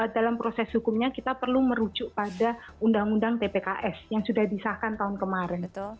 dalam proses hukumnya kita perlu merujuk pada undang undang tpks yang sudah disahkan tahun kemarin